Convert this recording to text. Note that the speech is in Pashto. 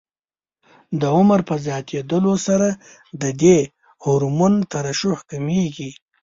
د عمر په زیاتېدلو سره د دې هورمون ترشح کمېږي.